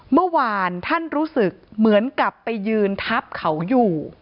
เมื่อวานท่านรู้สึกเหมือนกับไปยืนทับเขาอยู่